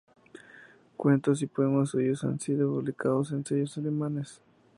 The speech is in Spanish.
Cuentos y poemas suyos han sido publicados en sellos alemanes.